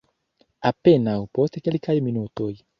Apenaŭ post kelkaj minutoj.